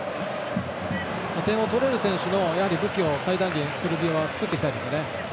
点を取れる選手の武器を最大限、セルビアは作っていきたいですね。